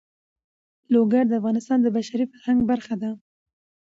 لوگر د افغانستان د بشري فرهنګ برخه ده.